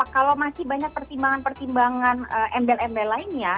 kalau masih banyak pertimbangan pertimbangan emdel emdel lainnya